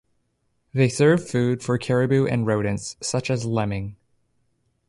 These serve as food for caribou and rodents, such as lemming.